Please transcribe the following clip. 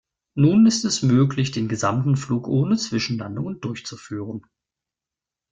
Nun ist es möglich, den gesamten Flug ohne Zwischenlandungen durchzuführen.